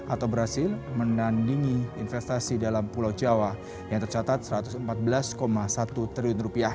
atau berhasil menandingi investasi dalam pulau jawa yang tercatat rp satu ratus empat belas satu triliun